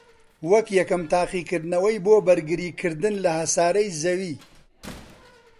وەک یەکەم تاقیکردنەوەی بۆ بەرگریکردن لە هەسارەی زەوی